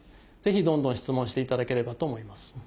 ぜひどんどん質問していただければと思います。